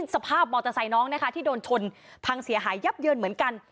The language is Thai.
สภาพมอเตอร์ไซค์น้องนะคะที่โดนชนพังเสียหายยับเยินเหมือนกัน